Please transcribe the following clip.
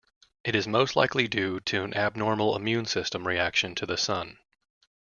It is most likely due to an abnormal immune system reaction to the sun.